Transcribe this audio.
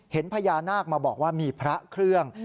เห็นพญานาคมาบอกว่ามีพระเครื่อง